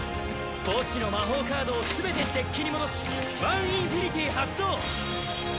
墓地の魔法カードをすべてデッキに戻しワン・インフィニティ発動！